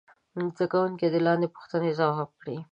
زده کوونکي دې لاندې پوښتنې ځواب کړي.